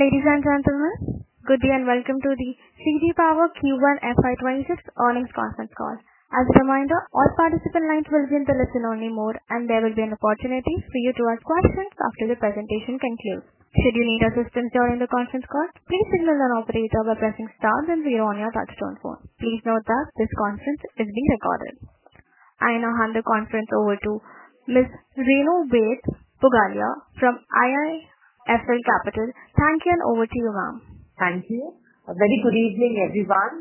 Ladies and gentlemen, good day and welcome to the CG Power Q1 FY2026 Earnings Conference Call. As a reminder, all participant's lines will be in the listen-only mode, and there will be an opportunity for you to ask questions after the presentation concludes. Should you need assistance during the conference call, please signal an operator by pressing Star then Zero on your touch-tone phone. Please note that this conference is being recorded. I now hand the conference over to Ms. Renu Baid Pugalia from IIFL Capital. Thank you, and over to you, ma'am. Thank you. A very good evening, everyone.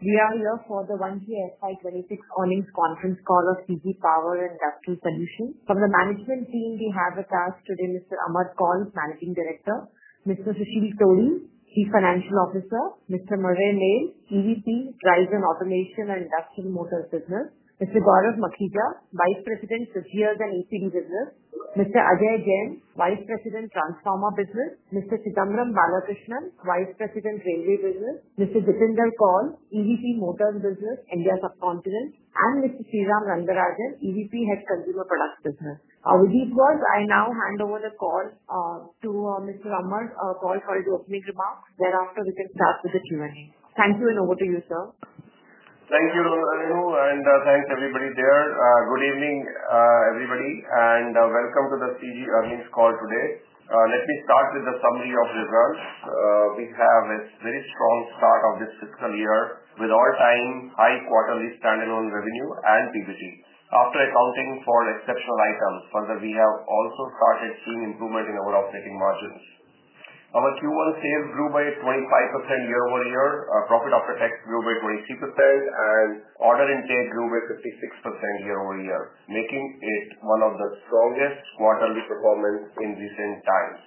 We are here for the Q1 FY2026 Earnings Conference Call of CG Power and Industrial Solutions. From the management team, we have with us today Mr. Amar Kaul, Managing Director; Mr. Susheel Todi, Chief Financial Officer; Mr. Murli Nair, EVP, Drives and Automation and Industrial Motors Business; Mr. Gaurav Makhija, Vice President, Frontiers and ACB Business; Mr. Ajay Jain, Vice President, Transformer Business; Mr. Chidambaram Balakrishnan, Vice President, Railway Business; Mr. Jitender Kaul, EVP, Motors Business, India Subcontinent; and Mr. Sriram Rangarajan, EVP, Head Consumer Products Business. Without further words, I now hand over the call to Mr. Amar Kaul for the opening remarks. Thereafter, we can start with the Q&A. Thank you, and over to you, sir. Thank you, Renu, and thanks, everybody there. Good evening, everybody, and welcome to the CG earnings call today. Let me start with the summary of results. We have a very strong start of this fiscal year with all-time high quarterly standalone revenue and PBT. After accounting for exceptional items, further, we have also started seeing improvement in our operating margins. Our Q1 sales grew by 25% year-over-year, profit after tax grew by 23%, and order intake grew by 56% year-over-year, making it one of the strongest quarterly performances in recent times.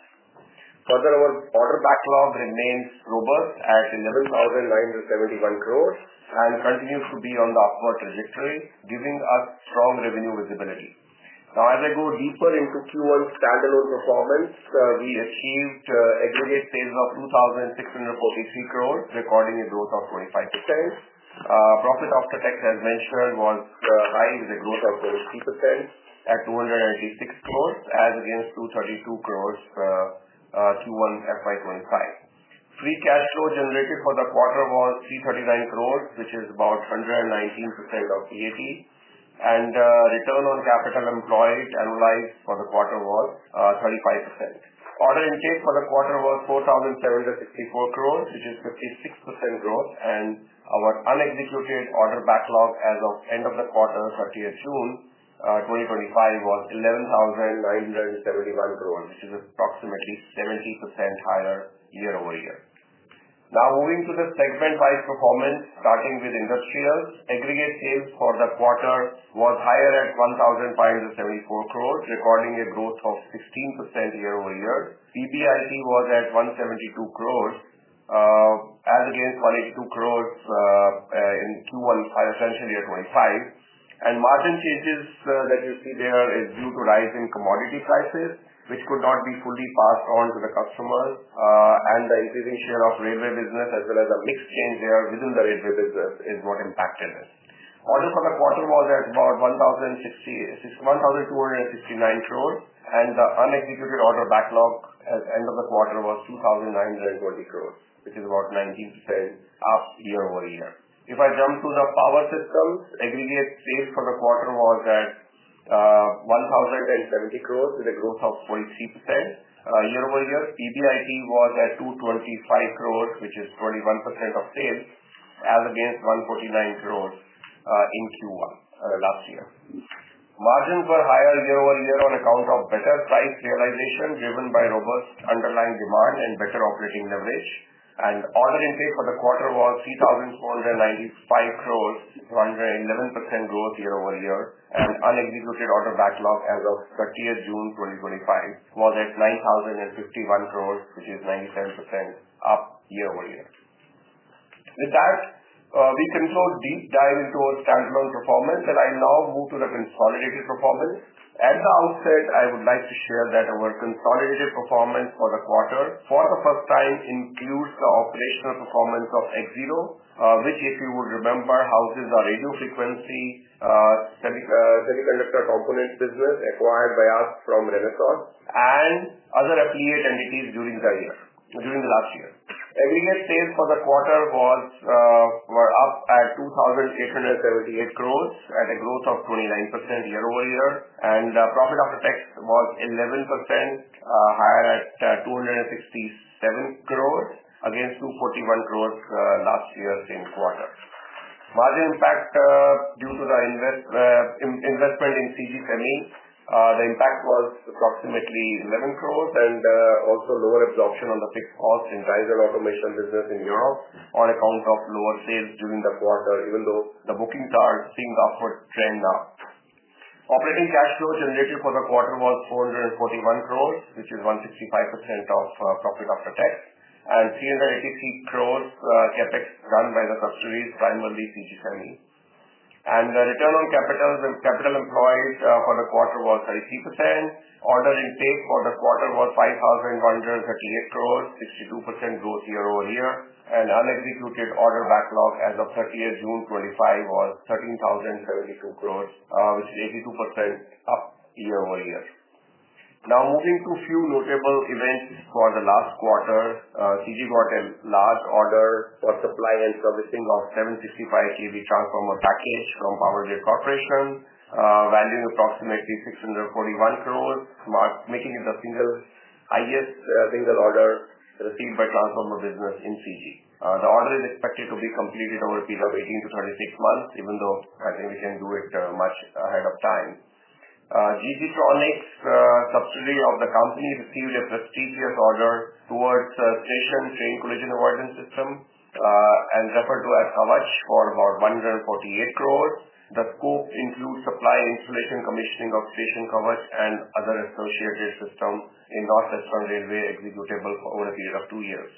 Further, our order backlog remains robust at 11,971 crore and continues to be on the upward trajectory, giving us strong revenue visibility. Now, as I go deeper into Q1 standalone performance, we achieved aggregate sales of 2,643 crore, recording a growth of 25%. Profit after tax, as mentioned, was high with a growth of 33% at 286 crore, as against 232 crore. Q1 FY2025. Free cash flow generated for the quarter was 339 crore, which is about 119% of PAT, and return on capital employed annualized for the quarter was 35%. Order intake for the quarter was 4,764 crore, which is 56% growth, and our unexecuted order backlog as of end of the quarter, 30th June 2025, was 11,971 crore, which is approximately 70% higher year-over-year. Now, moving to the segment-wise performance, starting with industrials, aggregate sales for the quarter was higher at 1,574 crore, recording a growth of 16% year-over-year. PBIT was at 172 crore as against 182 crore in Q1 FY2025. Margin changes that you see there are due to rising commodity prices, which could not be fully passed on to the customers, and the increasing share of railway business, as well as a mix change there within the railway business, is what impacted it. Order for the quarter was at about 1,269 crore, and the unexecuted order backlog at end of the quarter was 2,920 crore, which is about 19% up year-over-year. If I jump to the power systems, aggregate sales for the quarter was at 1,070 crore with a growth of 43% year-over-year. PBIT was at 225 crore, which is 21% of sales, as against 149 crore in Q1 last year. Margins were higher year-over-year on account of better price realization driven by robust underlying demand and better operating leverage, and order intake for the quarter was 3,495 crore, 211% growth year-over-year, and unexecuted order backlog as of 30th June 2025 was at 9,051 crore, which is 97% up year-over-year. With that, we can do a deep dive into our standalone performance, and I now move to the consolidated performance. At the outset, I would like to share that our consolidated performance for the quarter, for the first time, includes the operational performance of Axiro, which, if you would remember, houses our radio frequency semiconductor component business acquired by us from Renesas and other affiliate entities during the last year. Aggregate sales for the quarter. Were up at 2,878 crores at a growth of 29% year-over-year, and profit after tax was 11% higher at 267 crores against 241 crores last year same quarter. Margin impact due to the investment in CG Semi, the impact was approximately 11 crores and also lower absorption on the fixed cost in Drive and Automation Business in Europe on account of lower sales during the quarter, even though the bookings are seeing the upward trend now. Operating cash flow generated for the quarter was 441 crores, which is 165% of profit after tax, and 383 crores CapEx done by the subsidiaries, primarily CG Semi. And the return on capital employed for the quarter was 33%. Order intake for the quarter was 5,138 crores, 62% growth year-over-year, and unexecuted order backlog as of 30th June 2025 was 13,072 crores, which is 82% up year-over-year. Now, moving to a few notable events for the last quarter, CG got a large order for supply and servicing of 765 kV transformer package from Power Grid Corporation of India, valued approximately 641 crores, making it the single highest single order received by transformer business in CG. The order is expected to be completed over a period of 18-36 months, even though I think we can do it much ahead of time. G.G. Tronics India Private Limited, subsidiary of the company, received a prestigious order towards a station train collision avoidance system and referred to as Kavach for about 148 crores. The scope includes supply installation commissioning of station Kavach and other associated systems in North Western Railway executable over a period of two years.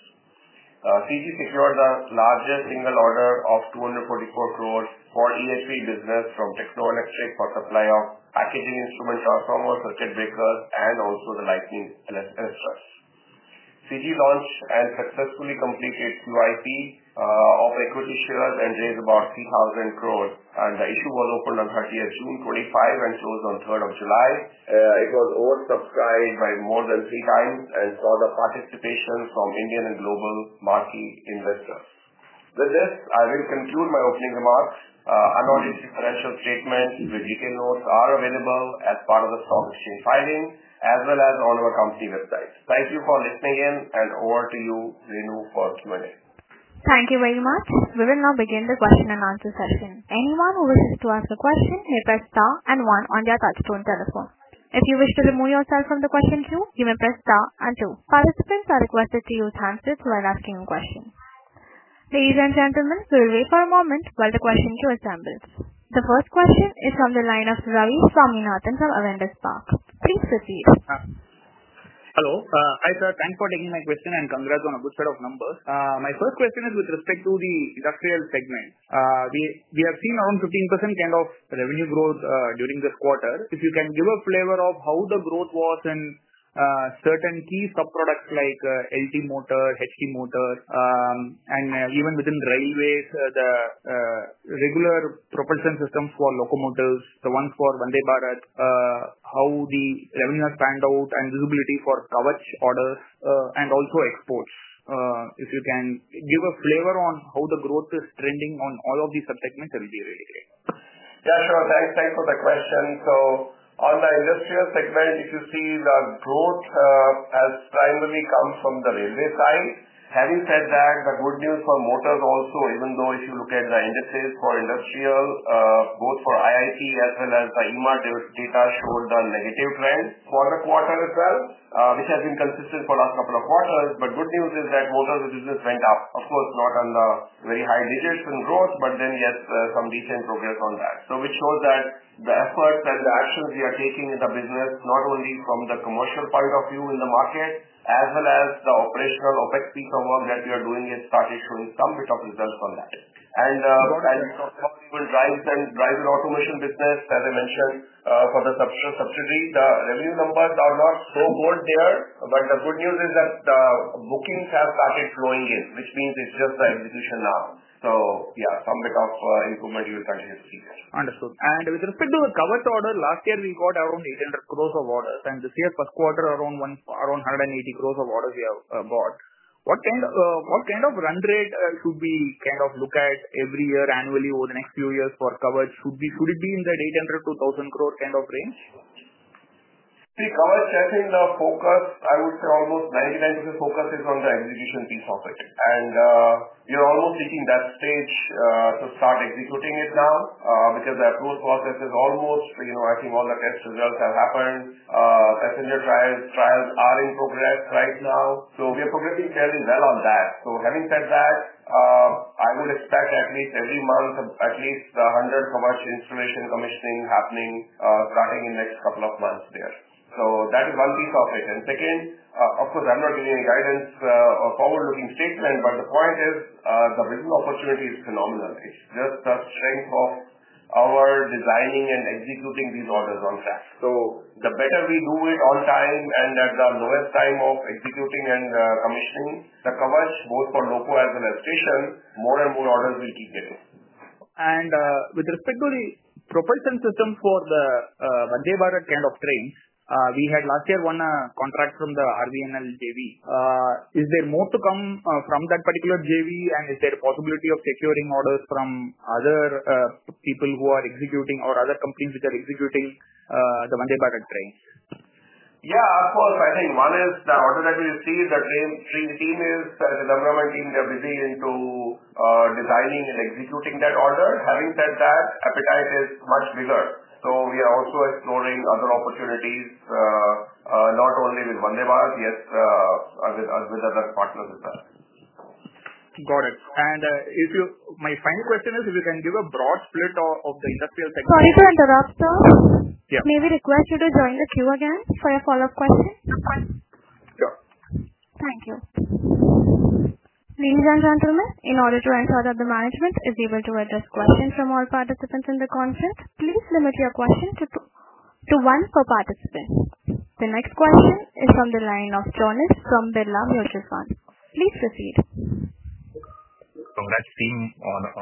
CG secured the largest single order of 244 crores for ESP business from TechnoElectric for supply of packaging instrument transformers, circuit breakers, and also the lightning trucks. CG launched and successfully completed QIP of equity shares and raised about 3,000 crores, and the issue was opened on 30th June 2025 and closed on 3rd of July. It was oversubscribed by more than three times and saw the participation from Indian and global marquee investors. With this, I will conclude my opening remarks. Analytics differential statements with detailed notes are available as part of the stock exchange filing, as well as on our company website. Thank you for listening in, and over to you, Renu, for Q&A. Thank you very much. We will now begin the question and answer session. Anyone who wishes to ask a question may press Star and one on their touch-tone telephone. If you wish to remove yourself from the question queue, you may press Star and two. Participants are requested to use hands raised while asking a question. Ladies and gentlemen, we will wait for a moment while the question queue assembles. The first question is from the line of Ravi Swaminathan from Avendus Spark. Please proceed. Hello. Hi, sir. Thanks for taking my question, and congrats on a good set of numbers. My first question is with respect to the industrial segment. We have seen around 15% kind of revenue growth during this quarter. If you can give a flavor of how the growth was in certain key subproducts like LT Motor, HT Motor, and even within railways, the regular propulsion systems for locomotives, the ones for Vande Bharat, how the revenue has panned out, and visibility for Kavach orders and also exports. If you can give a flavor on how the growth is trending on all of these subsegments, it will be really great. Yeah, sure. Thanks for the question. On the industrial segment, if you see, the growth has primarily come from the railway side. Having said that, the good news for motors also, even though if you look at the indices for industrial, both for IIP as well as the EMAR data showed the negative trend for the quarter itself, which has been consistent for the last couple of quarters. The good news is that motors business went up. Of course, not on the very high digits in growth, but then yes, some decent progress on that. This shows that the efforts and the actions we are taking in the business, not only from the commercial point of view in the market, as well as the operational OpEx piece of work that we are doing, it started showing some bit of results on that. Drive and Automation Business, as I mentioned, for the subsidiary, the revenue numbers are not so good there, but the good news is that the bookings have started flowing in, which means it is just the execution now. Some bit of improvement you will continue to see there. Understood. With respect to the Kavach order, last year we got around 8.00 billion of orders, and this year first quarter, around 1.80 billion of orders we have bought. What kind of run rate should we kind of look at every year, annually, over the next few years for Kavach? Should it be in that 8.00 billion-10.00 billion kind of range? See, Kavach, I think the focus, I would say almost 99% focus is on the execution piece of it. We are almost reaching that stage to start executing it now because the approval process is almost, I think all the test results have happened. Passenger trials are in progress right now. We are progressing fairly well on that. Having said that, I would expect at least every month, at least 100 Kavach installation commissioning happening starting in the next couple of months there. That is one piece of it. Second, of course, I'm not giving any guidance or forward-looking statement, but the point is the business opportunity is phenomenal. It's just the strength of our designing and executing these orders on track. The better we do it on time and at the lowest time of executing and commissioning the Kavach, both for loco as well as station, more and more orders we keep getting. With respect to the propulsion system for the Vande Bharat kind of train, we had last year won a contract from the RVNL JV. Is there more to come from that particular JV, and is there a possibility of securing orders from other people who are executing or other companies which are executing the Vande Bharat train? Yeah, of course. I think one is the order that we received, the train team is, Chidambaram Balakrishnan team, they are busy into designing and executing that order. Having said that, appetite is much bigger. We are also exploring other opportunities. Not only with Vande Bharat, yes. With other partners as well. Got it. My final question is, if you can give a broad split of the industrial segment. Sorry to interrupt, sir. May we request you to join the queue again for a follow-up question? Sure. Thank you. Ladies and gentlemen, in order to ensure that the management is able to address questions from all participants in the conference, please limit your question to one per participant. The next question is from the line of Jonas from Birla Mutual Fund. Please proceed. Congrats, team,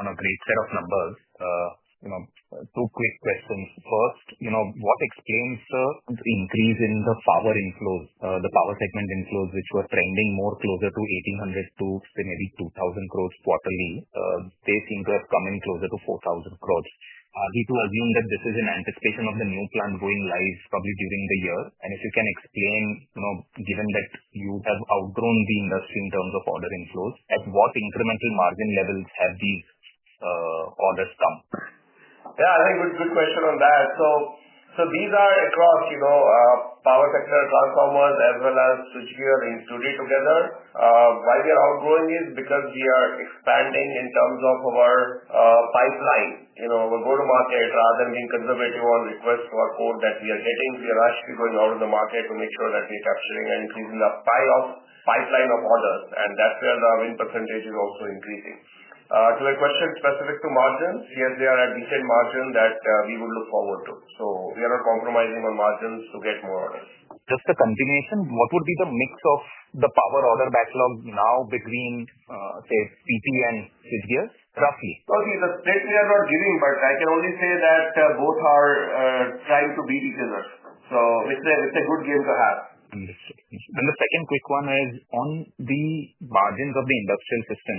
on a great set of numbers. Two quick questions. First, what explains, sir, the increase in the power inflows, the power segment inflows, which were trending more closer to 1,800 crore to maybe 2,000 crore quarterly? They seem to have come in closer to 4,000 crore. We do assume that this is in anticipation of the new plant going live probably during the year. If you can explain, given that you have outgrown the industry in terms of order inflows, at what incremental margin levels have these orders come? Yeah, I think good question on that. These are across power sector transformers as well as switchgear installed together. Why we are outgrowing is because we are expanding in terms of our pipeline. We go to market rather than being conservative on request for quote that we are getting. We are actually going out to the market to make sure that we are capturing and increasing the pipeline of orders. That's where the win percentage is also increasing. To a question specific to margins, yes, they are a decent margin that we would look forward to. We are not compromising on margins to get more orders. Just a continuation, what would be the mix of the power order backlog now between, say, PT and switchgears, roughly? Okay, the split we are not giving, but I can only say that both are trying to beat each other. So it's a good game to have. Understood. The second quick one is on the margins of the industrial system.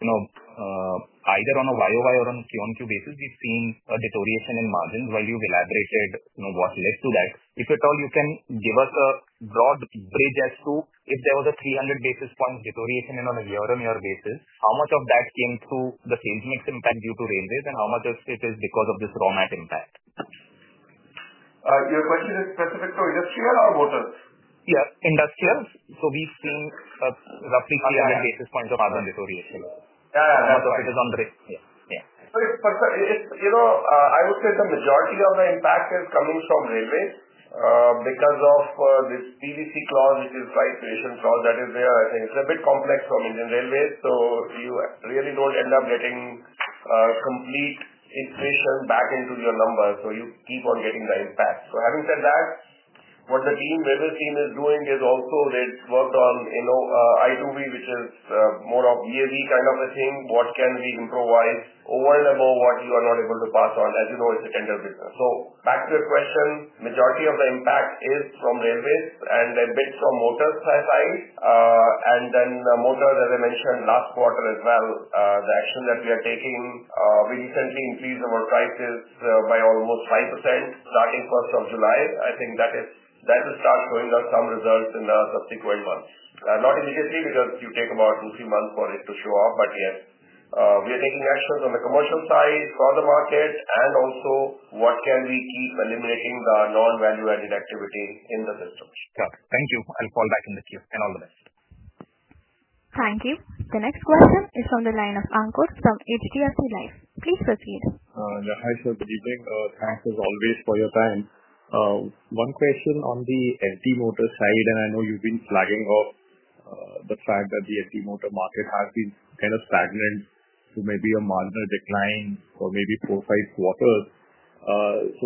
Either on a Y-o-Y or on a Q-on-Q basis, we've seen a deterioration in margins. While you've elaborated what led to that, if at all you can give us a broad bridge as to if there was a 300 basis points deterioration on a year-on-year basis, how much of that came through the sales mix impact due to railways, and how much of it is because of this raw mat impact? Your question is specific to industrial or motors? Yeah, industrial. So we've seen roughly 300 basis points of margin deterioration. Yeah, yeah. Because it is on the railways. Yeah. I would say the majority of the impact is coming from railways because of this PVC clause, which is price variations clause, that is there. I think it's a bit complex for Indian railways. You really don't end up getting complete inflation back into your numbers. You keep on getting the impact. Having said that, what the railway team is doing is also they've worked on i2V, which is more of VAV kind of a thing. What can we improvise over and above what you are not able to pass on? As you know, it's a tender business. Back to your question, majority of the impact is from railways and a bit from motors side. In motors, as I mentioned last quarter as well, the action that we are taking, we recently increased our prices by almost 5% starting 1st of July. I think that will start showing us some results in the subsequent months. Not immediately because it will take about two to three months for it to show up, but yes. We are taking actions on the commercial side for the market and also what can we keep eliminating the non-value-added activity in the systems. Got it. Thank you. I'll fall back in the queue. All the best. Thank you. The next question is from the line of Ankur from HDFC Life. Please proceed. Yeah, hi, sir. Good evening. Thanks as always for your time. One question on the LT motor side, and I know you've been flagging the fact that the LT motor market has been kind of stagnant to maybe a marginal decline for maybe four, five quarters.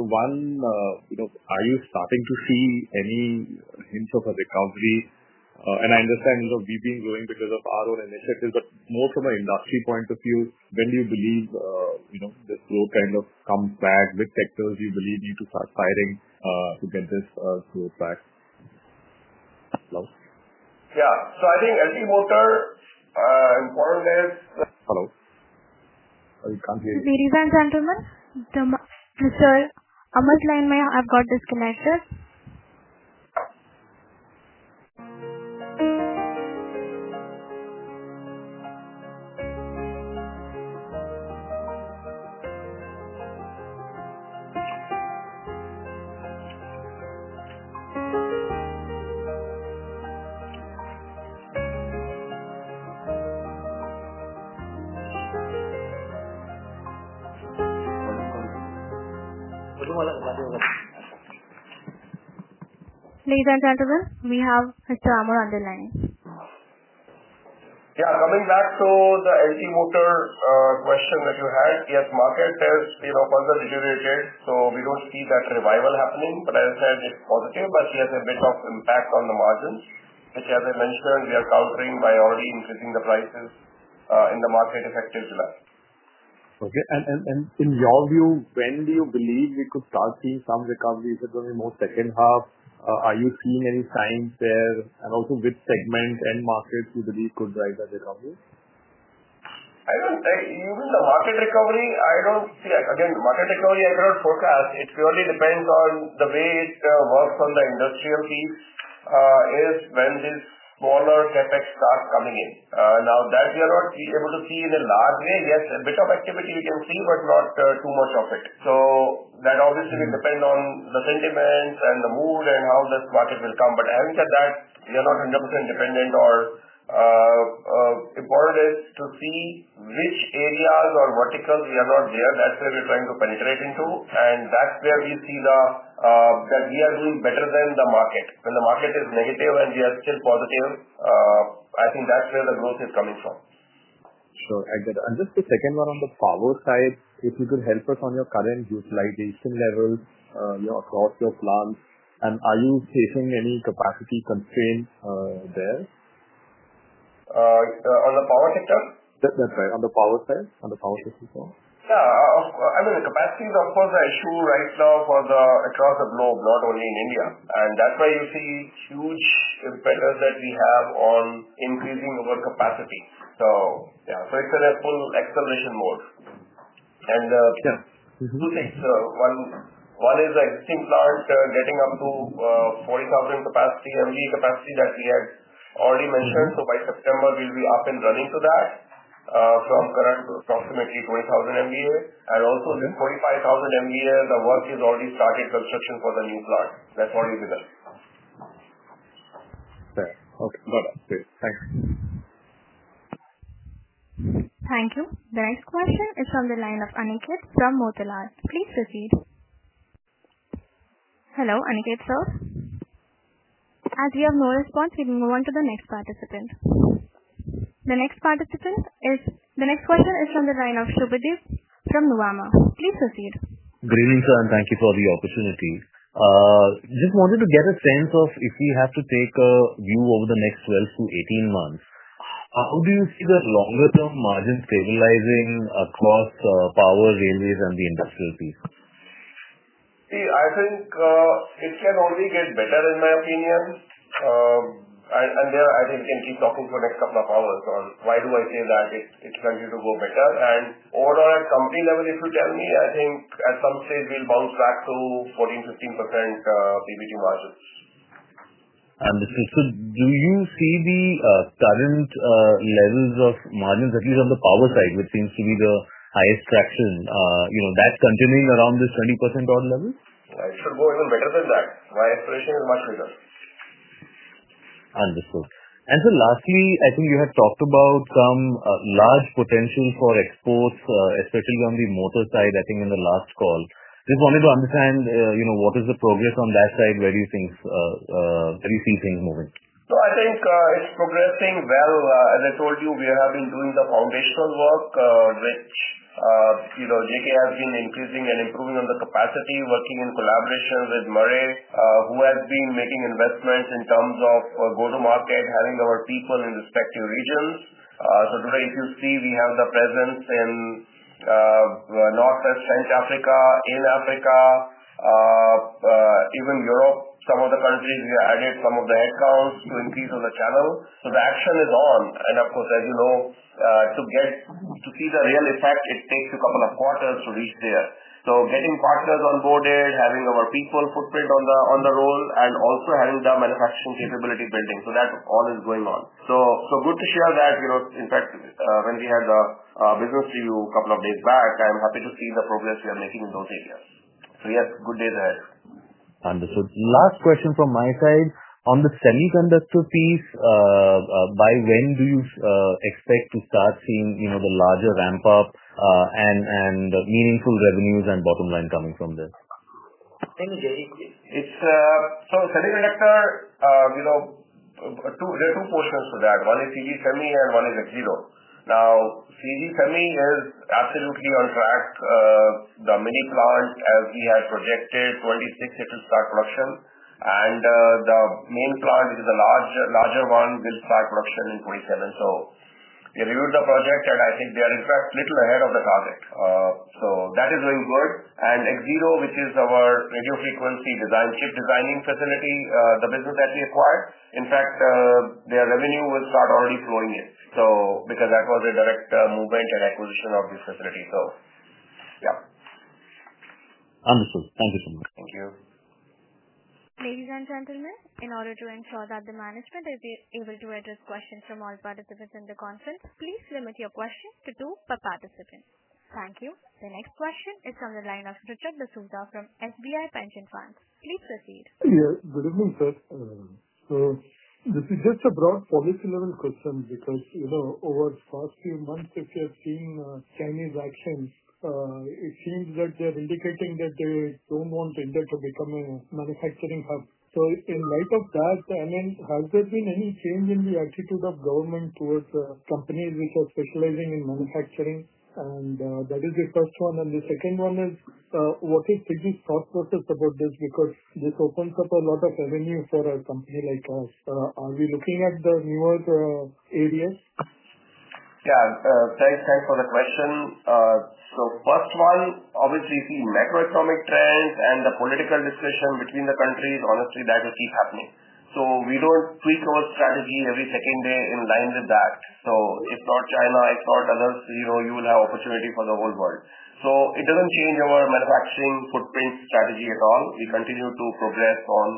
One, are you starting to see any hints of a recovery? I understand we've been growing because of our own initiatives, but more from an industry point of view, when do you believe this growth kind of comes back? Which sectors do you believe need to start firing to get this growth back? Yeah. So I think LT motor. Important is. Hello? I can't hear you. Ladies and gentlemen, Mr. Amar line might have got disconnected. Ladies and gentlemen, we have Mr. Amar on the line. Yeah, coming back to the LT motor question that you had, yes, market has further deteriorated. We do not see that revival happening, but as I said, it is positive, but yes, a bit of impact on the margins, which, as I mentioned, we are countering by already increasing the prices in the market effective July. Okay. In your view, when do you believe we could start seeing some recovery? Is it going to be more second half? Are you seeing any signs there? Also, which segment and markets do you believe could drive that recovery? I don't think even the market recovery, I don't see again, market recovery, I cannot forecast. It purely depends on the way it works on the industrial piece. It is when these smaller CapEx start coming in. Now, that we are not able to see in a large way. Yes, a bit of activity we can see, but not too much of it. That obviously will depend on the sentiment and the mood and how this market will come. Having said that, we are not 100% dependent or. Important is to see which areas or verticals we are not there. That's where we're trying to penetrate into. That's where we see that we are doing better than the market. When the market is negative and we are still positive, I think that's where the growth is coming from. Sure. I get it. Just the second one on the power side, if you could help us on your current utilization level across your plants, and are you facing any capacity constraints there? On the power sector? That's right. On the power side, on the power sector. Yeah. I mean, the capacity is, of course, an issue right now across the globe, not only in India. That is why you see huge impetus that we have on increasing our capacity. Yeah. It is in a full acceleration mode. Yeah. Two things. One is the existing plant getting up to 40,000 MVA capacity that we had already mentioned. By September, we will be up and running to that from current approximately 20,000 MVA. Also, the 45,000 MVA, the work is already started, construction for the new plant. That has already begun. Fair. Okay. Got it. Good. Thanks. Thank you. The next question is from the line of Aniket from Motilal. Please proceed. Hello, Aniket, sir. As we have no response, we will move on to the next participant. The next participant is. The next question is from the line of Subhadip from Nuvama. Please proceed. Good evening, sir, and thank you for the opportunity. Just wanted to get a sense of if we have to take a view over the next 12 to 18 months, how do you see the longer-term margin stabilizing across power, railways, and the industrial piece? See, I think it can only get better, in my opinion. There, I think we can keep talking for the next couple of hours on why do I say that it's going to go better. Overall, at company level, if you tell me, I think at some stage we'll bounce back to 14-15% PBT margins. Understood. Do you see the current levels of margins, at least on the power side, which seems to be the highest traction, that continuing around this 20% odd level? It should go even better than that. My expectation is much bigger. Understood. Lastly, I think you had talked about some large potential for exports, especially on the motor side, I think in the last call. Just wanted to understand what is the progress on that side, where do you think you see things moving? I think it's progressing well. As I told you, we have been doing the foundational work, which JK has been increasing and improving on the capacity, working in collaboration with Murli, who has been making investments in terms of go-to-market, having our people in respective regions. Today, if you see, we have the presence in North and Central Africa, in Africa. Even Europe, some of the countries we have added some of the headcounts to increase on the channel. The action is on. Of course, as you know, to see the real effect, it takes a couple of quarters to reach there. Getting partners on board there, having our people footprint on the roll, and also having the manufacturing capability building. That all is going on. Good to share that, in fact, when we had the business review a couple of days back, I am happy to see the progress we are making in those areas. Yes, good day there. Understood. Last question from my side. On the semiconductor piece. By when do you expect to start seeing the larger ramp-up and meaningful revenues and bottom line coming from this? Thank you, Jay. So semiconductor. There are two portions to that. One is CG Semi, and one is Axiro. Now, CG Semi is absolutely on track. The mini plant, as we had projected, 2026, it will start production. And the main plant, which is the larger one, will start production in 2027. We reviewed the project, and I think they are, in fact, a little ahead of the target. That is going good. And Axiro, which is our radio frequency design chip designing facility, the business that we acquired, in fact, their revenue will start already flowing in. Because that was a direct movement and acquisition of this facility. So yeah. Understood. Thank you so much. Thank you. Ladies and gentlemen, in order to ensure that the management is able to address questions from all participants in the conference, please limit your question to two per participant. Thank you. The next question is from the line of Richard D'Souza from SBI Pension Funds. Please proceed. Yes, good evening, sir. This is just a broad policy-level question because over the past few months, if you have seen Chinese actions, it seems that they are indicating that they do not want India to become a manufacturing hub. In light of that, I mean, has there been any change in the attitude of government towards companies which are specializing in manufacturing? That is the first one. The second one is what is CG's thought process about this? Because this opens up a lot of avenue for a company like us. Are we looking at the newer areas? Yeah. Thanks, Kai, for the question. First one, obviously, you see macroeconomic trends and the political discussion between the countries. Honestly, that will keep happening. We do not tweak our strategy every second day in line with that. If not China, if not others, you will have opportunity for the whole world. It does not change our manufacturing footprint strategy at all. We continue to progress on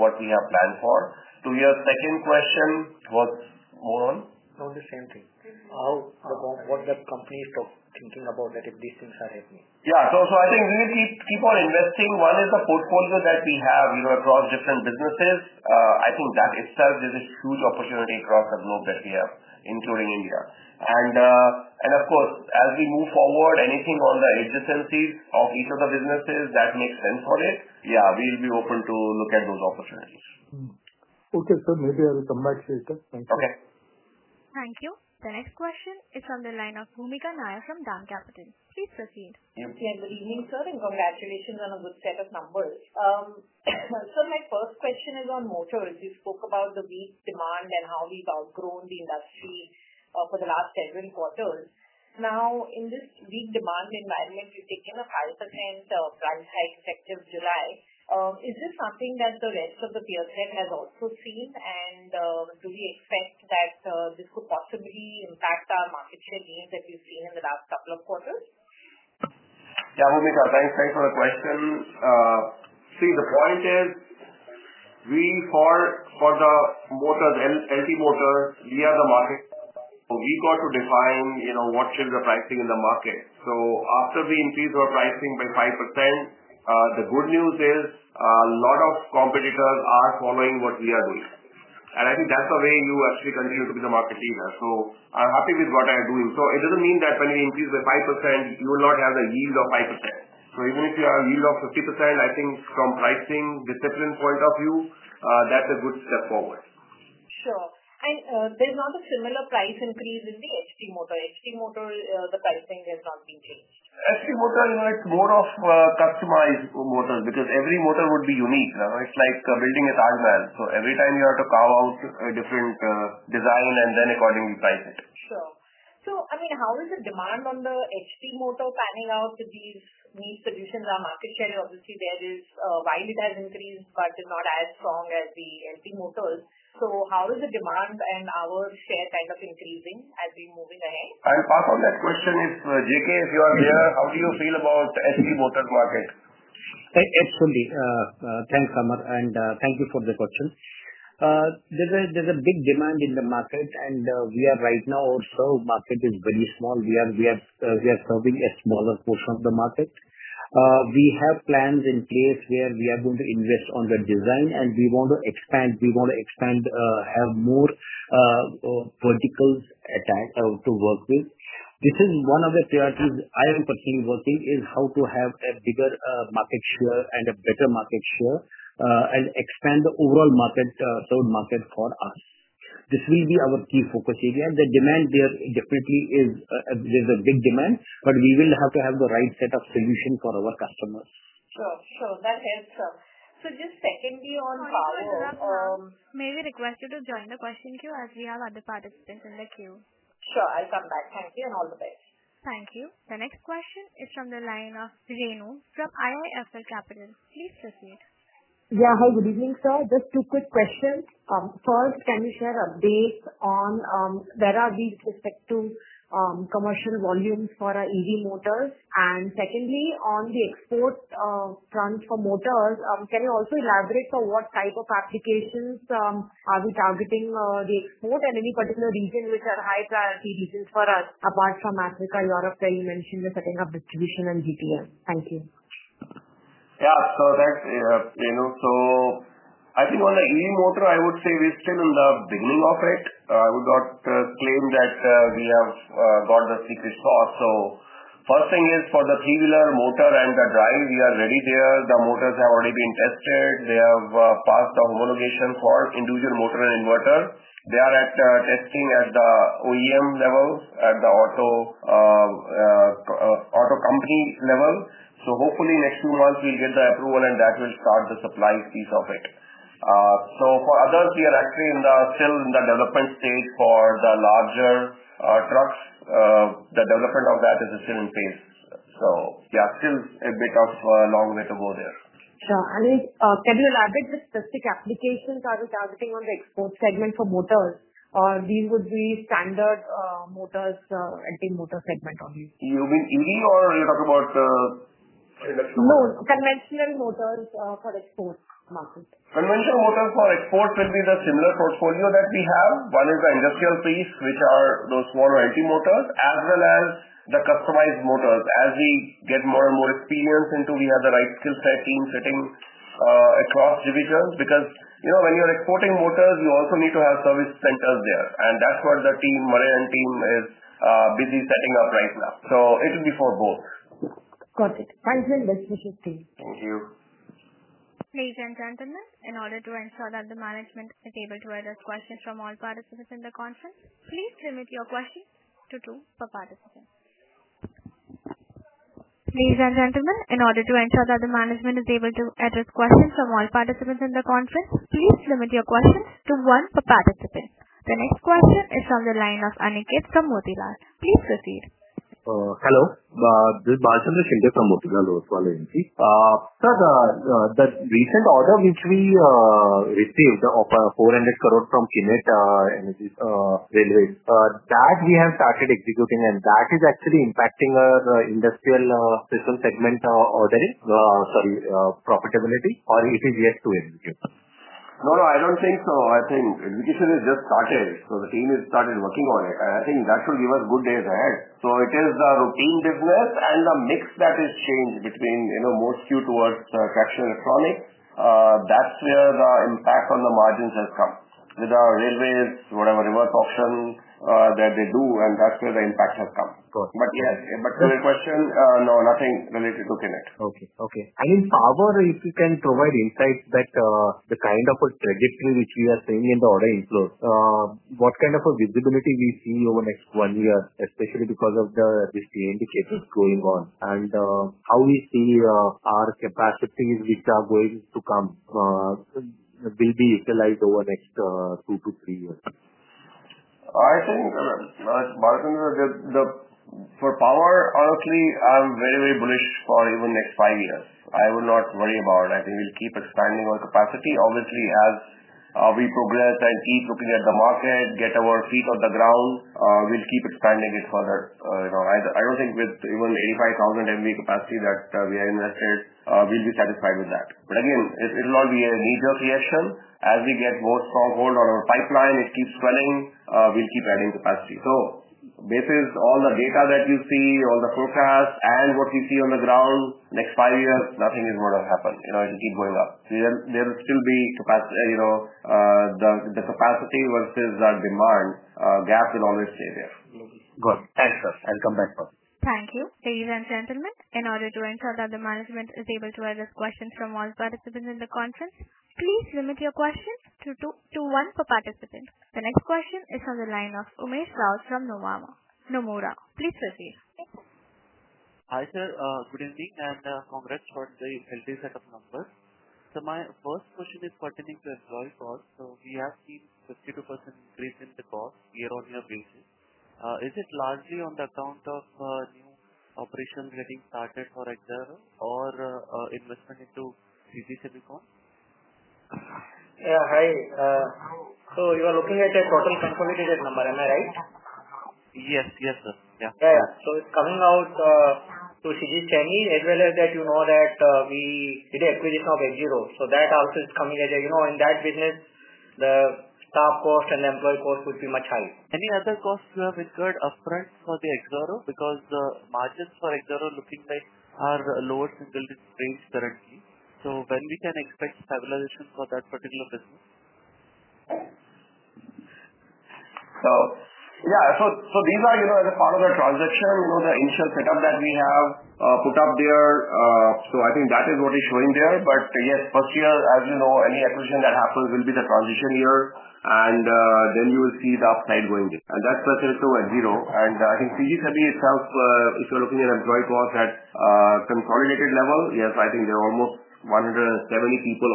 what we have planned for. To your second question, what is more on? On the same thing. What the companies are thinking about that if these things are happening? Yeah. I think we will keep on investing. One is the portfolio that we have across different businesses. I think that itself is a huge opportunity across the globe that we have, including India. Of course, as we move forward, anything on the adjacencies of each of the businesses that makes sense for it, yeah, we'll be open to look at those opportunities. Okay, sir. Maybe I will come back later. Thank you. Okay. Thank you. The next question is from the line of Bhoomika Nair from DAM Capital. Please proceed. Yes, good evening, sir. Congratulations on a good set of numbers. My first question is on motors. You spoke about the weak demand and how we've outgrown the industry for the last several quarters. Now, in this weak demand environment, we've taken a 5% price hike effective July. Is this something that the rest of the peer set has also seen? Do we expect that this could possibly impact our market share gains that we've seen in the last couple of quarters? Yeah, Bhoomika, thanks for the question. See, the point is. For the motors, LT motors, we are the market. So we got to define what should the pricing in the market. After we increase our pricing by 5%, the good news is a lot of competitors are following what we are doing. I think that's the way you actually continue to be the market leader. I'm happy with what I'm doing. It doesn't mean that when we increase by 5%, you will not have the yield of 5%. Even if you have a yield of 50%, I think from pricing discipline point of view, that's a good step forward. Sure. There is not a similar price increase in the HT motor. HT motor, the pricing has not been changed. HT motor, it's more of customized motors because every motor would be unique. It's like building a Taj Mahal. Every time you have to carve out a different design and then accordingly price it. Sure. I mean, how is the demand on the HT motor panning out with these new solutions? Our market share, obviously, there is, while it has increased, but not as strong as the LT motors. How is the demand and our share kind of increasing as we're moving ahead? I'll pass on that question. Jitender Kaul, if you are there, how do you feel about the HT motor market? Absolutely. Thanks, Ahmad. Thank you for the question. There is a big demand in the market, and right now also market is very small. We are serving a smaller portion of the market. We have plans in place where we are going to invest on the design, and we want to expand. We want to expand, have more verticals to work with. This is one of the priorities I am personally working on, is how to have a bigger market share and a better market share and expand the overall market, third market for us. This will be our key focus area. The demand there definitely is, there is a big demand, but we will have to have the right set of solutions for our customers. Sure. Sure. That helps, sir. Just secondly on power. May we request you to join the question queue as we have other participants in the queue? Sure. I'll come back. Thank you and all the best. Thank you. The next question is from the line of Renu from IIFL Capital. Please proceed. Yeah. Hi, good evening, sir. Just two quick questions. First, can you share updates on where are we with respect to commercial volumes for our EV motors? And secondly, on the export front for motors, can you also elaborate for what type of applications are we targeting the export and any particular region which are high-priority regions for us apart from Africa, Europe, where you mentioned you're setting up distribution and GTM? Thank you. Yeah. So Renu, I think on the EV motor, I would say we're still in the beginning of it. I would not claim that we have got the secret sauce. The first thing is for the three-wheeler motor and the drive, we are ready there. The motors have already been tested. They have passed the homologation for individual motor and inverter. They are at testing at the OEM level, at the auto company level. Hopefully, next two months, we'll get the approval, and that will start the supply piece of it. For others, we are actually still in the development stage for the larger trucks. The development of that is still in phase. Yeah, still a bit of a long way to go there. Sure. Can you elaborate the specific applications are we targeting on the export segment for motors, or these would be standard motors, LT motor segment only? You mean EV, or are you talking about industrial motor? No, conventional motors for export market. Conventional motors for exports will be the similar portfolio that we have. One is the industrial piece, which are those smaller LT motors, as well as the customized motors. As we get more and more experience into, we have the right skill set team sitting across divisions because when you're exporting motors, you also need to have service centers there. That's what the team, Murli and team, is busy setting up right now. It will be for both. Got it. Thanks, Renu. Thank you. Thank you. Ladies and gentlemen, in order to ensure that the management is able to address questions from all participants in the conference, please limit your question to two per participant. Ladies and gentlemen, in order to ensure that the management is able to address questions from all participants in the conference, please limit your questions to one per participant. The next question is from the line of Aniket from Motilal. Please proceed. Hello. This is Bhalchandra Shinde from Motilal Oswal Agency. Sir, the recent order which we received of 400 crore from Konkan Railway, that we have started executing, and that is actually impacting our industrial system segment ordering, sorry, profitability, or it is yet to execute? No, no, I don't think so. I think execution has just started. The team has started working on it. I think that will give us good days ahead. It is the routine business and the mix that has changed, more skewed towards the traction electronic. That's where the impact on the margins has come. With our railways, whatever reverse auction that they do, that's where the impact has come. Yes, to your question, no, nothing related to Konkan. Okay. Okay. I mean, power, if you can provide insights that the kind of a trajectory which we are seeing in the order inflow, what kind of a visibility we see over the next one year, especially because of these key indicators going on, and how we see our capacities which are going to come will be utilized over the next two to three years? I think. For power, honestly, I'm very, very bullish for even the next five years. I will not worry about it. I think we'll keep expanding our capacity. Obviously, as we progress and keep looking at the market, get our feet on the ground, we'll keep expanding it further. I don't think with even 85,000 MVA capacity that we have invested, we'll be satisfied with that. Again, it will all be a knee-jerk reaction. As we get more strong hold on our pipeline, it keeps swelling, we'll keep adding capacity. Based on all the data that you see, all the forecasts, and what we see on the ground, next five years, nothing is going to happen. It will keep going up. There will still be capacity. The capacity versus the demand gap will always stay there. Got it. Thanks, sir. I'll come back first. Thank you. Ladies and gentlemen, in order to ensure that the management is able to address questions from all participants in the conference, please limit your question to one per participant. The next question is from the line of Umesh Raut from Nomura. Please proceed. Hi sir. Good evening and congrats for the healthy set of numbers. My first question is pertaining to employee costs. We have seen a 52% increase in the cost year-on-year basis. Is it largely on the account of new operations getting started for Axiro or investment into CG Semi? Yeah. Hi. So you are looking at a total consolidated number. Am I right? Yes. Yes, sir. Yeah. Yeah. So it's coming out. To CG Semi, as well as that you know that we did the acquisition of Axiro. So that also is coming at a, in that business, the staff cost and the employee cost would be much higher. Any other costs you have incurred upfront for the Axiro? Because the margins for Axiro looking like are lower single range currently. So when we can expect stabilization for that particular business? Yeah. These are as a part of the transaction, the initial setup that we have put up there. I think that is what is showing there. Yes, first year, as you know, any acquisition that happens will be the transition year. You will see the upside going in. That is specific to Axiro. I think CG Semi itself, if you are looking at employee cost at consolidated level, yes, I think there are almost 170 people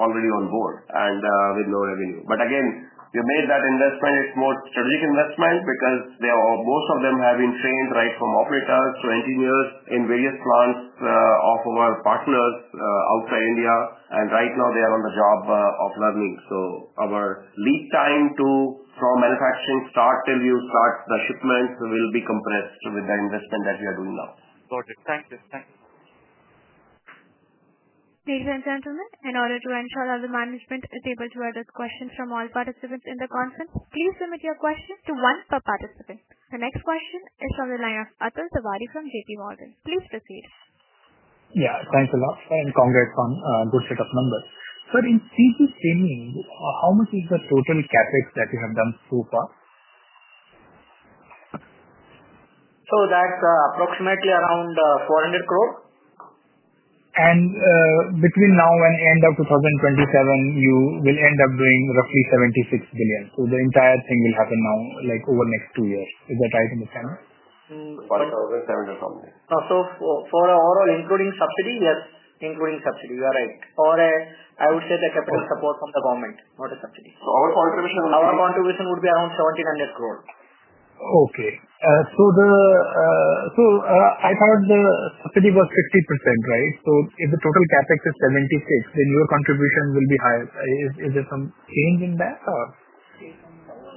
already on board and with no revenue. Again, we made that investment. It is more strategic investment because most of them have been trained right from operators to engineers in various plants of our partners outside India. Right now, they are on the job of learning. Our lead time from manufacturing start till you start the shipments will be compressed with the investment that we are doing now. Got it. Thank you. Thank you so much. Ladies and gentlemen, in order to ensure that the management is able to address questions from all participants in the conference, please limit your question to one per participant. The next question is from the line of Atul Tiwari from JP Morgan. Please proceed. Yeah. Thanks a lot, sir, and congrats on a good set of numbers. Sir, in CG Semi, how much is the total CapEx that you have done so far? That's approximately around 400 cores. Between now and end of 2027, you will end up doing roughly 76 billion. The entire thing will happen now over the next two years. Is that right in the sense? 5,700 something. For all, including subsidy, yes, including subsidy, you are right. Or I would say the capital support from the government, not a subsidy. Our contribution would be around 1,700 crore. Okay. So. I thought the subsidy was 50%, right? So if the total CapEx is 76, then your contribution will be higher. Is there some change in that, or?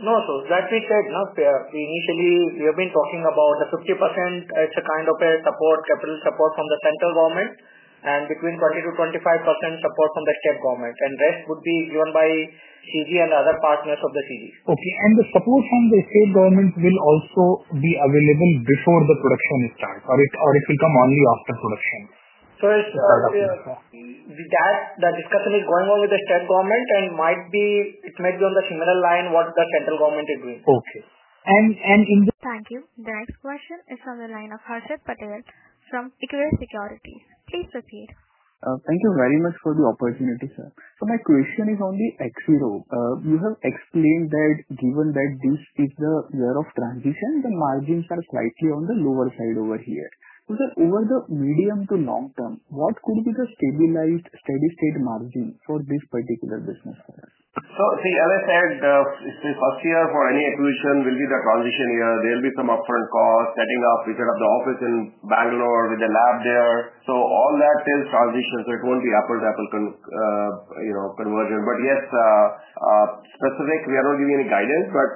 No, sir. That we said. We initially have been talking about the 50%. It's a kind of a support, capital support from the central government, and between 20%-25% support from the state government. The rest would be given by CG and other partners of the CG. Okay. The support from the state government will also be available before the production start, or it will come only after production? The discussion is going on with the state government, and it might be on the similar line what the central government is doing. Okay. And in. Thank you. The next question is from the line of Harshad Patel from Equirus Securities. Please proceed. Thank you very much for the opportunity, sir. My question is on the Axiro. You have explained that given that this is the year of transition, the margins are slightly on the lower side over here. Over the medium to long term, what could be the stabilized steady-state margin for this particular business for us? See, as I said, first year for any acquisition will be the transition year. There will be some upfront costs, setting up, which are at the office in Bangalore with the lab there. All that is transition. It will not be apple to apple conversion. Yes, specifically, we are not giving any guidance, but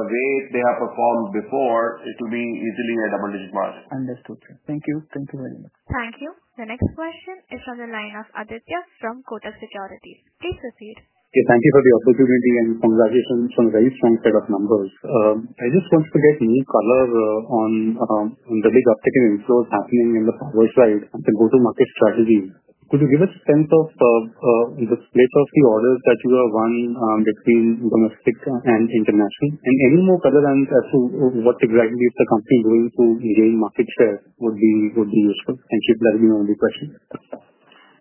the way they have performed before, it will be easily a double-digit margin. Understood, sir. Thank you. Thank you very much. Thank you. The next question is from the line of Aditya from Kotak Securities. Please proceed. Okay. Thank you for the opportunity and congratulations on a very strong set of numbers. I just want to get any color on the big uptick in inflows happening in the power side and the go-to-market strategy. Could you give us a sense of the splits of the orders that you have won between domestic and international? Any more color on what exactly is the company doing to gain market share would be useful. Thank you. That will be my only question.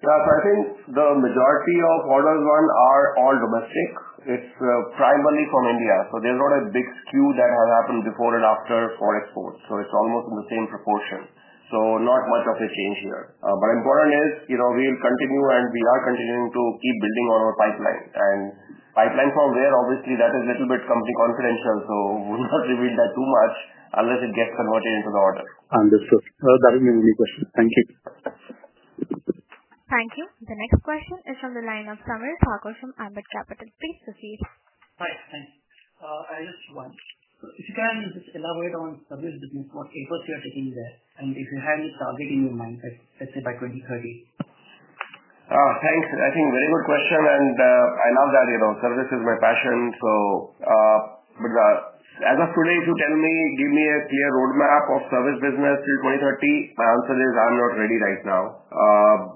Yeah. I think the majority of orders won are all domestic. It's primarily from India. There's not a big skew that has happened before and after for exports. It's almost in the same proportion. Not much of a change here. Important is we will continue and we are continuing to keep building on our pipeline. Pipeline from where, obviously, that is a little bit company confidential. We will not reveal that too much unless it gets converted into the order. Understood. That will be my only question. Thank you. Thank you. The next question is from the line of Sameer Thakur from Ambit Capital. Please proceed. Hi. Thank you. I just want to ask if you can just elaborate on service business, what efforts you are taking there, and if you have any target in your mind, let's say by 2030. Thanks. I think very good question. And I love that. Service is my passion. As of today, if you tell me, give me a clear roadmap of service business till 2030, my answer is I'm not ready right now.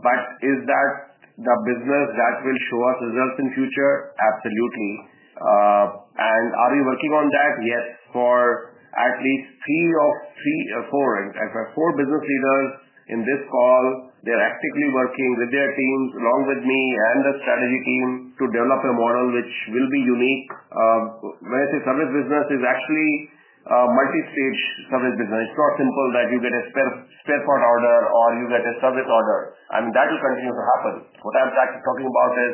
But is that the business that will show us results in the future? Absolutely. And are we working on that? Yes. For at least three or four. Four business leaders in this call, they are actively working with their teams along with me and the strategy team to develop a model which will be unique. When I say service business, it's actually a multi-stage service business. It's not simple that you get a spare part order or you get a service order. I mean, that will continue to happen. What I'm talking about is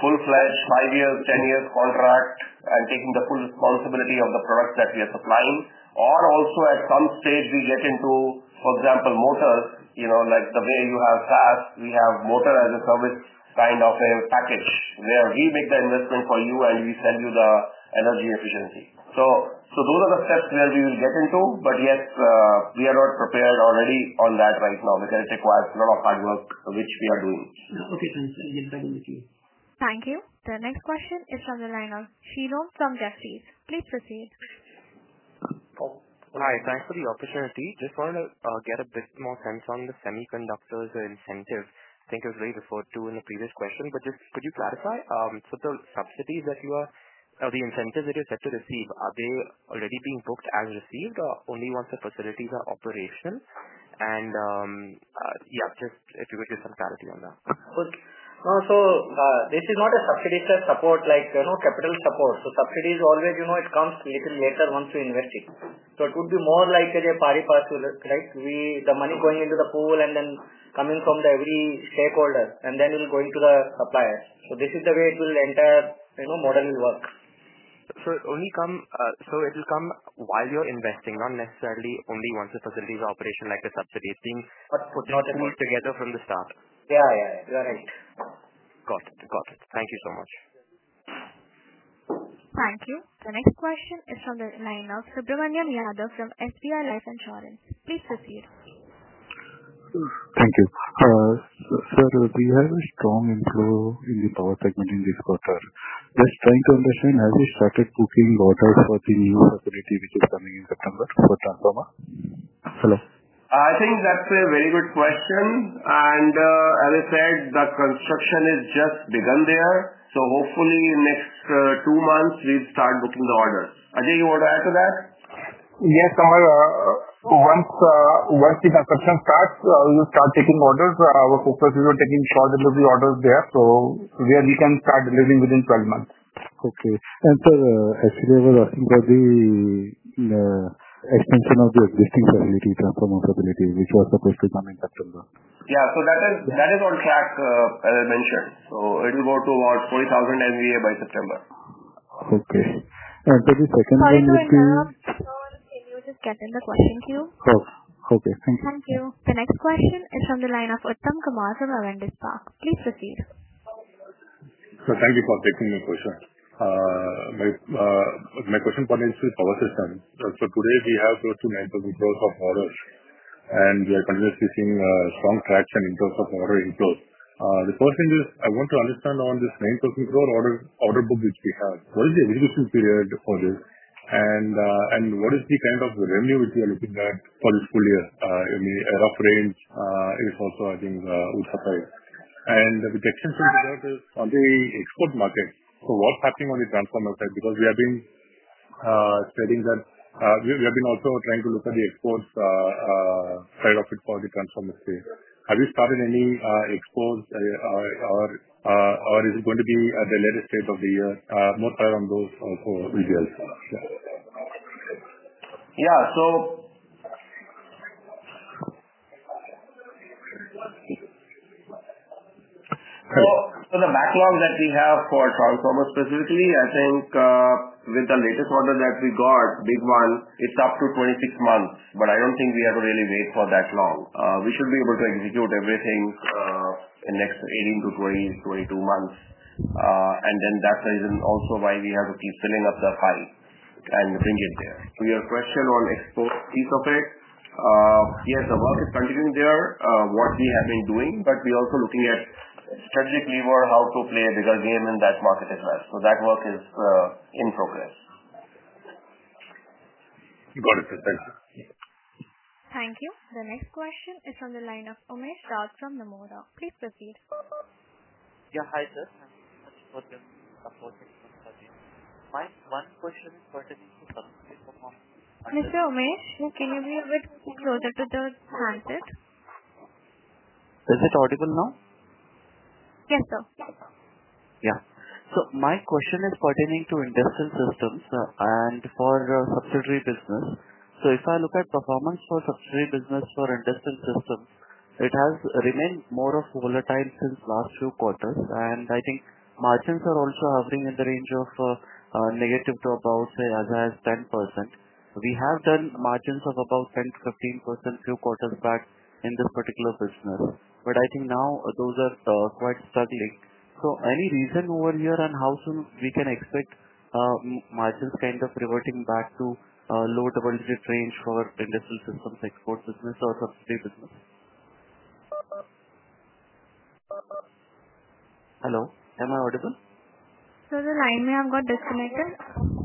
full-fledged five-year, ten-year contract and taking the full responsibility of the products that we are supplying. Or also at some stage, we get into, for example, motors, like the way you have SaaS, we have Motor as a Service kind of a package where we make the investment for you and we sell you the energy efficiency. Those are the steps where we will get into. Yes, we are not prepared already on that right now because it requires a lot of hard work, which we are doing. Okay. Thanks. I'll get back in with you. Thank you. The next question is from the line of Shlomo from Jefferies. Please proceed. Hi. Thanks for the opportunity. Just wanted to get a bit more sense on the semiconductors incentive. I think it was really referred to in the previous question, but just could you clarify? The subsidies that you are or the incentives that you're set to receive, are they already being booked as received or only once the facilities are operational? Yeah, just if you could give some clarity on that. Okay. This is not a subsidy set support like capital support. Subsidies always come a little later once you invest it. It would be more like a pari passu, right? The money going into the pool and then coming from every stakeholder, and then it will go into the suppliers. This is the way it will enter. The model will work. It will come while you're investing, not necessarily only once the facilities are operational like the subsidy thing, but put the pool together from the start? Yeah. Yeah. You are right. Got it. Got it. Thank you so much. Thank you. The next question is from the line of Subramanya Yadav from SBI Life Insurance. Please proceed. Thank you. Sir, we have a strong inflow in the power segment in this quarter. Just trying to understand, have you started booking orders for the new facility which is coming in September for Transformer? Hello? I think that's a very good question. As I said, the construction has just begun there. Hopefully, in the next two months, we'll start booking the orders. Ajay, you want to add to that? Yes. Once the construction starts, we will start taking orders. Our focus is on taking short delivery orders there, so we can start delivering within 12 months. Okay. Sir, actually, I was asking about the extension of the existing facility, Transformer facility, which was supposed to come in September. Yeah. That is on track, as I mentioned. It will go to about 40,000 MVA by September. Okay. For the second line of. Thank you, sir. Can you just get in the question queue? Of course. Okay. Thank you. Thank you. The next question is from the line of Uttam Kumar from Avendus Spark. Please proceed. Thank you for taking my question. My question point is with power systems. Today, we have close to 9,000 crore of orders. We are continuously seeing strong traction in terms of order inflows. The first thing is I want to understand on this 9,000 crore order book which we have, what is the execution period for this? What is the kind of revenue which we are looking at for this full year? I mean, a rough range is also, I think, would suffice. The projections on the export market, so what's happening on the Transformer side? Because we have been stating that we have been also trying to look at the exports side of it for the Transformer space. Have you started any exports, or is it going to be at the later stage of the year? More clarity on those details. Yeah. Yeah. So the backlog that we have for Transformer specifically, I think with the latest order that we got, big one, it's up to 26 months. I don't think we have to really wait for that long. We should be able to execute everything in the next 18-22 months. That's the reason also why we have to keep filling up the pipe and bring it there. To your question on export piece of it, yes, the work is continuing there, what we have been doing. We are also looking at strategically how to play a bigger game in that market as well. That work is in progress. Got it, sir. Thank you. Thank you. The next question is from the line of Umesh Raut from Nomura. Please proceed. Yeah. Hi, sir. Thank you so much for just supporting Transformer. My one question is related to subsidy performance. Mr. Umesh, can you be a bit closer to the handset? Is it audible now? Yes, sir. Yeah. My question is pertaining to industrial systems and for subsidiary business. If I look at performance for subsidiary business for industrial systems, it has remained more volatile since the last few quarters. I think margins are also hovering in the range of negative to about, say, as high as 10%. We have done margins of about 10-15% a few quarters back in this particular business. I think now those are quite struggling. Any reason over here on how soon we can expect margins kind of reverting back to low double-digit range for industrial systems, export business, or subsidiary business? Hello? Am I audible? Sir, the line may have got disconnected.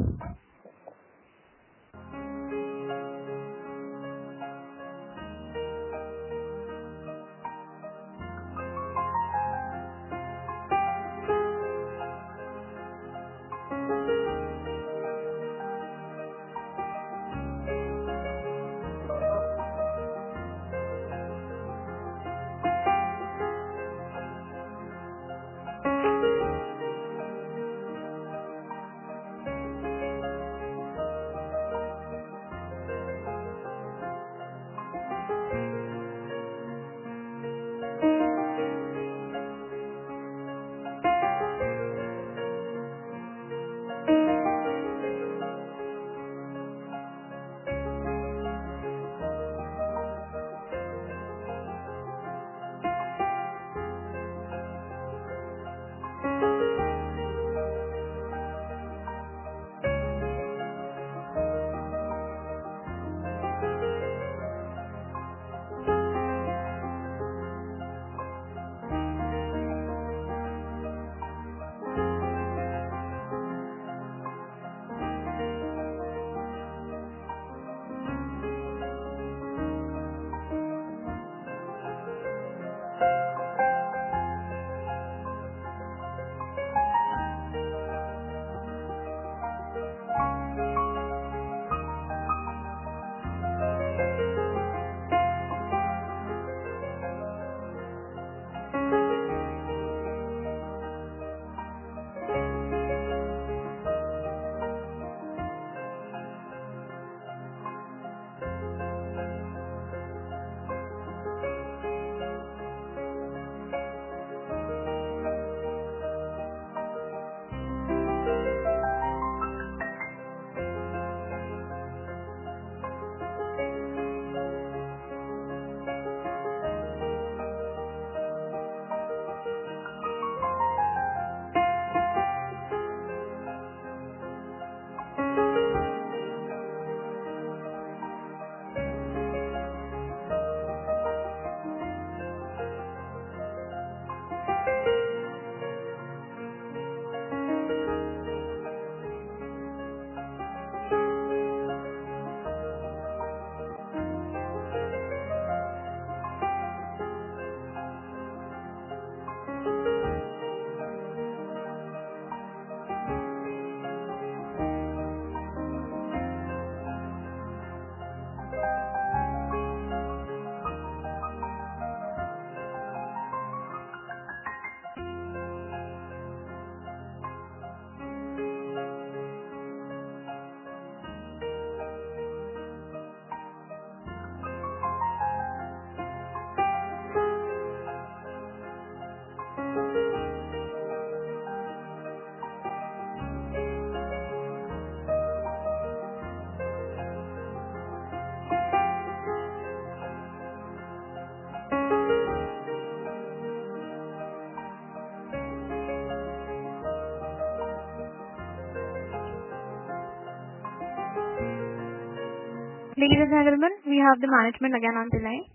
Ladies and gentlemen, we have the management again on the line.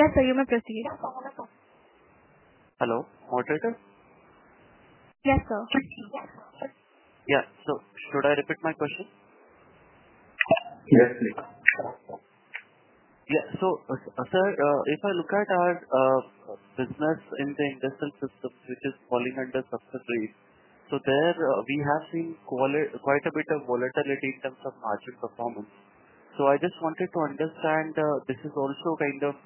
Yes, sir. You may proceed. Hello. Moderator? Yes, sir. Yeah. Should I repeat my question? Yes, please. Yeah. Sir, if I look at our business in the industrial systems, which is falling under subsidiaries, there we have seen quite a bit of volatility in terms of margin performance. I just wanted to understand this is also kind of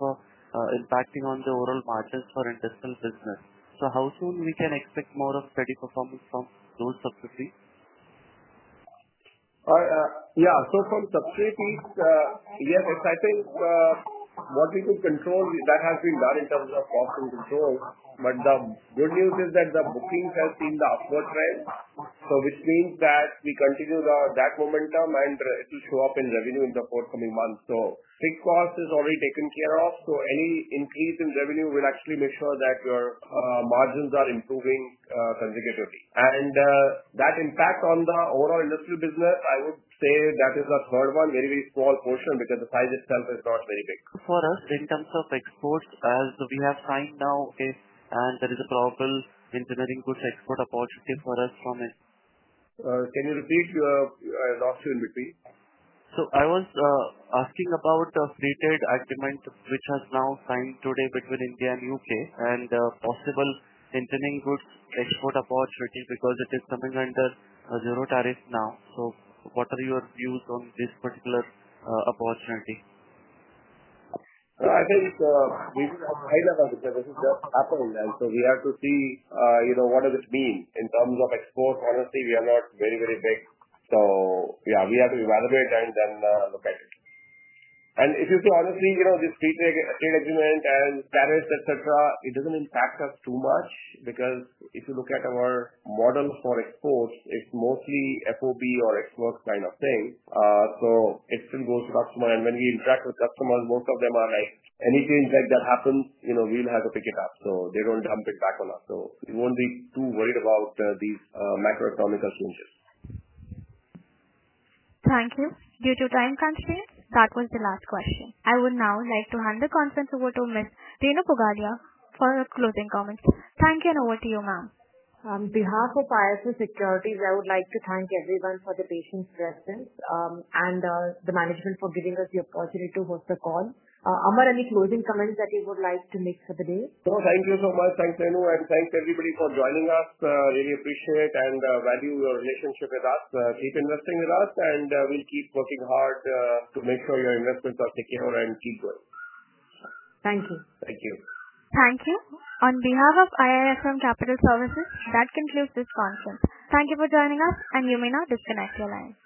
impacting on the overall margins for industrial business. How soon can we expect more of steady performance from those subsidiaries? Yeah. From subsidiaries, yes, I think what we could control, that has been done in terms of cost and control. The good news is that the bookings have seen the upward trend, which means that we continue that momentum and it will show up in revenue in the forthcoming months. Fixed cost is already taken care of. Any increase in revenue will actually make sure that your margins are improving consecutively. That impact on the overall industrial business, I would say that is the third one, very, very small portion because the size itself is not very big. For us in terms of exports, as we have signed now. There is a probable engineering goods export opportunity for us from. Can you repeat? I lost you in between. I was asking about the free-trade agreement, which has now signed today between India and the U.K., and the possible engineering goods export opportunity because it is coming under zero tariff now. What are your views on this particular opportunity? I think we will have to wait and see what happens. We have to see what does it mean in terms of exports. Honestly, we are not very, very big. Yeah, we have to evaluate and then look at it. If you say honestly, this free-trade agreement and tariffs, etc., it does not impact us too much because if you look at our model for exports, it is mostly FOB or export kind of thing. It still goes to customer. When we interact with customers, most of them are like, "Any change that happens, we will have to pick it up." They do not dump it back on us. We will not be too worried about these macroeconomical changes. Thank you. Due to time constraints, that was the last question. I would now like to hand the conference over to Ms. Renu Pugalia for closing comments. Thank you, and over to you, ma'am. On behalf of IIFL Securities, I would like to thank everyone for the patient presence and the management for giving us the opportunity to host the call. Amar, any closing comments that you would like to make for the day? No, thank you so much. Thanks, Renu, and thanks everybody for joining us. Really appreciate and value your relationship with us. Keep investing with us, and we'll keep working hard to make sure your investments are secure and keep going. Thank you. Thank you. Thank you. On behalf of IIFL Capital, that concludes this conference. Thank you for joining us, and you may now disconnect your line.